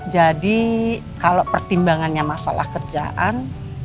jadi kalau pertimbangannya masalah kerjaan